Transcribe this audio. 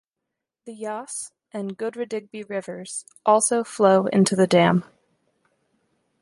The Yass and Goodradigbee rivers also flow into the dam.